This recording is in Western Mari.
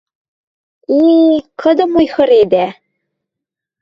– Э-э, кыдым ойхыредӓ...